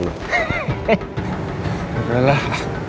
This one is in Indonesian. ya boleh lah